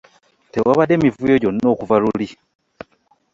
Tewabadde mivuyo gyonna okuva luli.